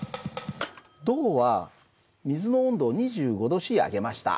銅は水の温度を２５℃上げました。